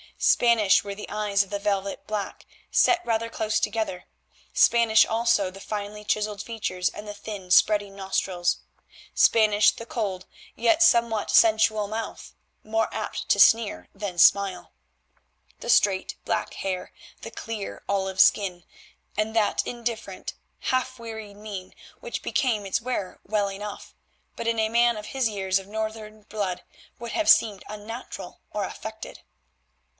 Spanish were the eyes of velvet black, set rather close together, Spanish also the finely chiselled features and the thin, spreading nostrils, Spanish the cold, yet somewhat sensual mouth, more apt to sneer than smile; the straight, black hair, the clear, olive skin, and that indifferent, half wearied mien which became its wearer well enough, but in a man of his years of Northern blood would have seemed unnatural or affected.